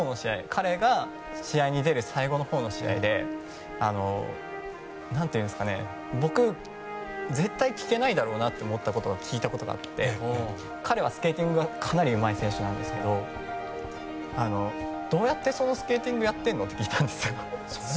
彼が試合に出る最後のほうの試合で僕、絶対聞けないだろうなと思ったことを聞いたことがあって彼はスケーティングがかなりうまい選手なんですけどどうやってそのスケーティングやってんの？って聞いたんです。